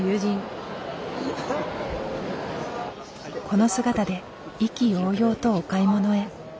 この姿で意気揚々とお買い物へ。